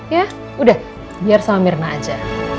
ya udah biar sama mirna aja